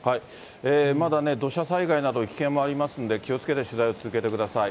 まだね、土砂災害など、危険もありますんで、気をつけて取材を続けてください。